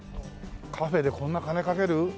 カフェでこんな金かける？